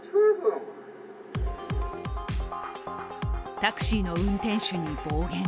タクシーの運転手に暴言。